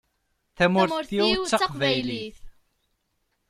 Tamurt-iw d taqbaylit.